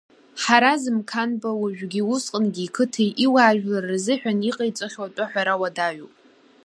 Ҳараз Мқанба уажәгьы усҟангьы иқыҭеи иуаажәлари рзыҳәан иҟаиҵахьоу атәы аҳәара уадаҩуп.